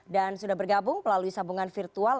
dan sudah bergabung melalui sambungan virtual